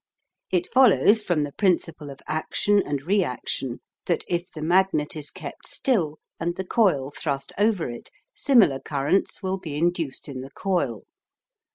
It follows from the principle of action and reaction that if the magnet is kept still and the coil thrust over it similar currents will be induced in the coil.